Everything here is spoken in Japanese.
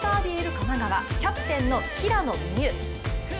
神奈川、キャプテンの平野美宇。